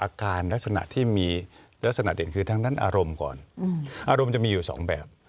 อาการลักษณะที่มีลักษณะเด่นคือทั้งด้านอารมณ์ก่อนอารมณ์จะมีอยู่สองแบบ